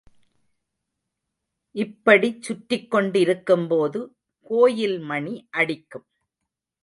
இப்படிச் சுற்றிக் கொண்டிருக்கும் போது கோயில் மணி அடிக்கும்.